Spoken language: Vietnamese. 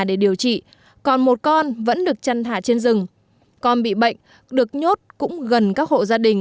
để điều trị còn một con vẫn được chăn thả trên rừng con bị bệnh được nhốt cũng gần các hộ gia đình